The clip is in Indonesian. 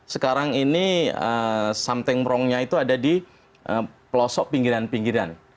sekarang ini something wrongnya itu ada di pelosok pinggiran pinggiran